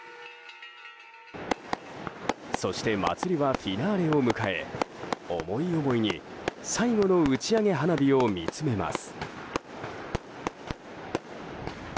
そして祭りはフィナーレを迎え思い思いに最後の打ち上げ花火を見つめます。